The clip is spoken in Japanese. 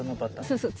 そうそう。